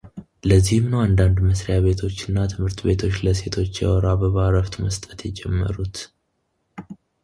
ለዚህም ነው አንዳንድ መሥሪያ ቤቶች እና ትምህርት ቤቶች ለሴቶች የወር አበባ እረፍት መስጠት የጀመሩት።